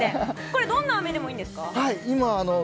これ、どんなあめでもいいんですか？